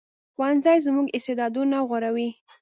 ښوونځی زموږ استعدادونه غوړوي